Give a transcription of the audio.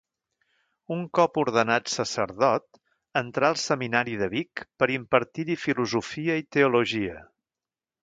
Un cop ordenat sacerdot, entrà al Seminari de Vic per impartir-hi filosofia i teologia.